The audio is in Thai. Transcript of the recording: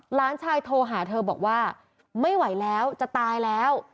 หลานชายโทรหาเธอบอกว่าไม่ไหวแล้วจะตายแล้ว